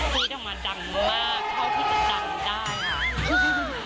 พี่ทำมาดังมากเท่าที่จะดังได้นะ